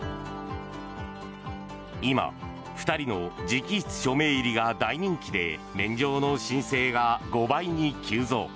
今、２人の直筆署名入りが大人気で免状の申請が５倍に急増。